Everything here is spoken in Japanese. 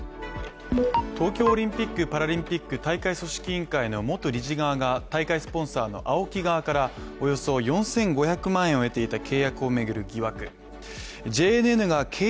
東京オリンピック・パラリンピック大会組織委員会の元理事側が大会スポンサーの、ＡＯＫＩ側からおよそ４５００万円を得ていた契約を巡る疑惑。